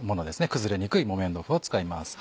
崩れにくい木綿豆腐を使います。